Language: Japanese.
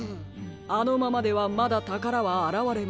あのままではまだたからはあらわれません。